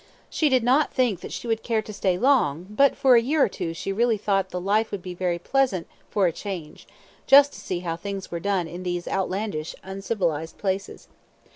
She did not think that she would care to stay long, but for a year or two she really thought the life would be very pleasant for a change, just to see how things were done in these outlandish uncivilized places.